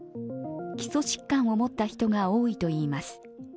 基礎疾患を持った人が多いといいます。